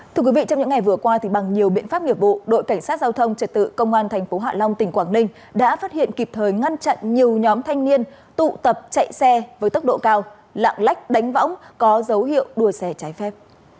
thưa quý vị trong những ngày vừa qua bằng nhiều biện pháp nghiệp vụ đội cảnh sát giao thông trật tự công an tp hạ long tỉnh quảng ninh đã phát hiện kịp thời ngăn chặn nhiều nhóm thanh niên tụ tập chạy xe với tốc độ cao lạng lách đánh võng có dấu hiệu đua xe trái phép